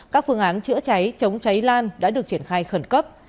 các phương án chữa cháy chống cháy lan đã được triển khai khẩn cấp